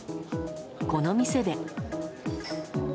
この店で。